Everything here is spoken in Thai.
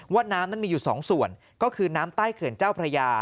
น้ำนั้นมีอยู่สองส่วนก็คือน้ำใต้เขื่อนเจ้าพระยา